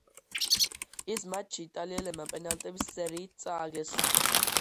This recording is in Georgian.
ის მატჩი იტალიელებმა პენალტების სერიით წააგეს.